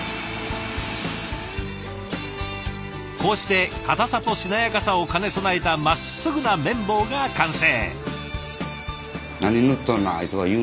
こうして固さとしなやかさを兼ね備えたまっすぐな麺棒が完成。